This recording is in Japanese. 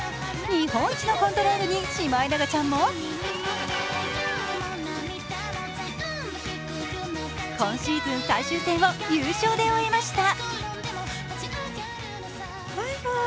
日本一のコントロールに、シマエナガちゃんも今シーズン最終戦を優勝で終えました。